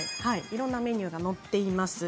いろんなメニューが載っています。